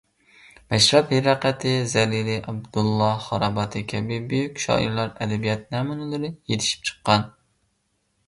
مەشرەپ، ھىرقەتى، زەلىلىي، ئابدۇللاھ خاراباتىي كەبى بۈيۈك شائىرلار، ئەدەبىيات نەمۇنىلىرى يېتىشىپ چىققان.